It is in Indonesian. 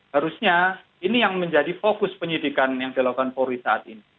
harusnya ini yang menjadi fokus penyidikan yang dilakukan polri saat ini